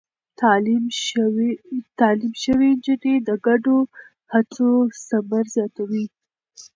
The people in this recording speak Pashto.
تعليم شوې نجونې د ګډو هڅو ثمر زياتوي.